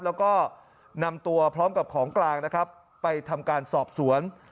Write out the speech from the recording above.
แล้วก็นำตัวพร้อมกับของกลางนะครับไปทำการสอบสวน